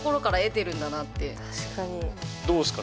どうですか？